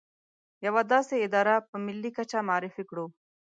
يوه داسې اداره په ملي کچه معرفي کړو.